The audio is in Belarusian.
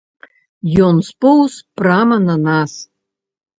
Ён споўз прама на нас.